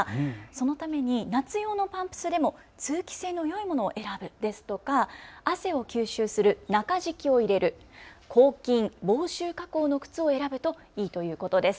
そのために夏用のパンプスでも通気性のよいものを選ぶですとか汗を吸収する中敷きを入れる、抗菌防臭加工の靴を選ぶといいということです。